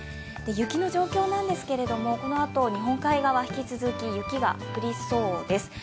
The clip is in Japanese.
雪の状況なんですけれども、このあと日本海側引き続き雪が降りそうです。